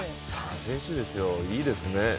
３選手ですよ、いいですね。